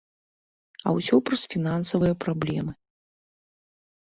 А ўсё праз фінансавыя праблемы.